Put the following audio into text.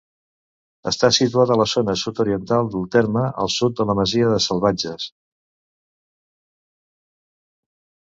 Està situat a la zona sud-oriental del terme, al sud de la masia de Salvatges.